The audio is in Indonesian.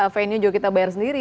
fan nya juga kita bayar sendiri